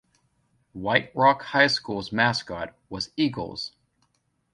White Rock High School's mascot was Eagles.